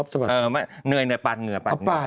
เหนื่อยปาดเหงื่อ